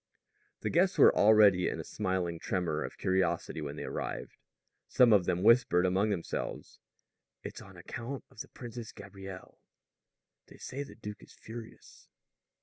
The guests were already in a smiling tremor of curiosity when they arrived. Some of them whispered among themselves: "It's on account of the Princess Gabrielle." "They say the duke is furious."